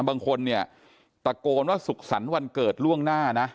บางคนเนี่ยตะโกนว่าสุขสรรค์วันเกิดล่วงหน้านะ